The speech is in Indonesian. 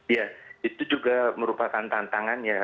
iya itu juga merupakan tantangan ya